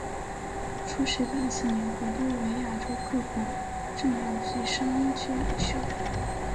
出席本次年会多为亚洲各国政要及商界领袖。